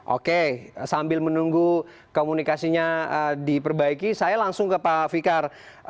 oke sambil menunggu komunikasinya diperbaiki saya langsung ke pak fikar